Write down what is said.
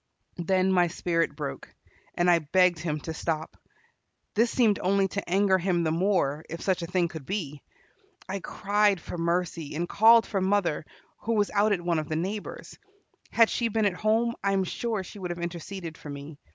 Then my spirit broke, and I begged him to stop. This seemed only to anger him the more, if such a thing could be. I cried for mercy, and called for mother, who was out at one of the neighbor's. Had she been at home, I am sure she would have interceded for me.